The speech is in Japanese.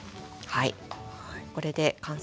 はい。